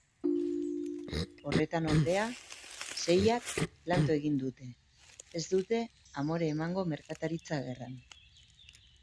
Horretan ordea seiak planto egin dute, ez dute amore emango merkataritza gerran.